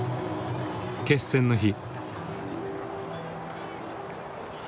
決戦の日。